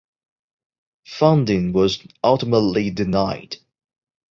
Funding was ultimately denied.